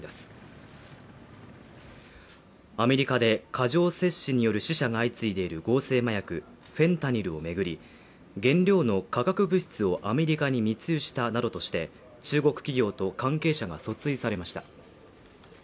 アメリカで過剰摂取による死者が相次いでいる合成麻薬フェンタニルを巡り、原料の核物質をアメリカに密輸したなどとして中国企業と関係者が訴追されました。